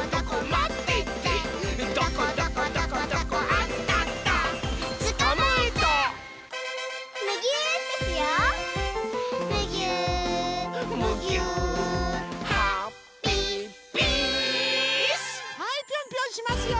はいぴょんぴょんしますよ！